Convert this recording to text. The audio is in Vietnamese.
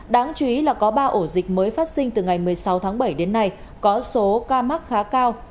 đáng chú ý là có ba ổ dịch mới phát sinh từ ngày một mươi sáu tháng bảy đến nay có số ca mắc khá cao